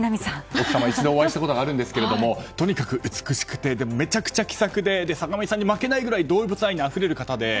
奥様、一度お会いしたことがあるんですけれどもとにかく美しくてでも、めちゃくちゃ気さくで坂上さんに負けないくらい動物愛にあふれる方で。